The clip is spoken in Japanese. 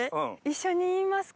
一緒に言いますか？